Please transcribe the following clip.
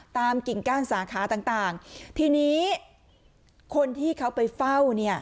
กิ่งก้านสาขาต่างทีนี้คนที่เขาไปเฝ้าเนี่ย